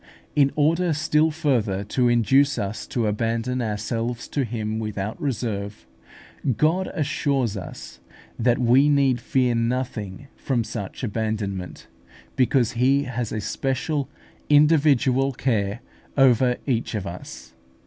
In order still further to induce us to abandon ourselves to Him without reserve, God assures us that we need fear nothing from such abandonment, because He has a special individual care over each of us.